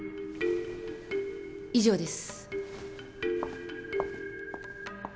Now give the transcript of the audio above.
以上です。